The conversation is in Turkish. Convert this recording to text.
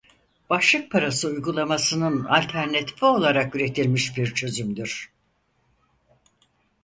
Başlık parası uygulamasının alternatifi olarak üretilmiş bir çözümdür.